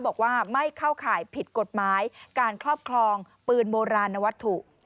บอกว่าไม่เข้าข่ายผิดกฎหมายการครอบครองปืนโบราณนวัตถุ